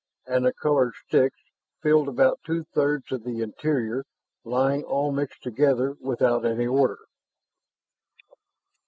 And the colored sticks filled about two thirds of the interior, lying all mixed together without any order.